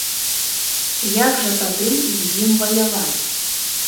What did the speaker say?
Як жа тады з ім ваяваць?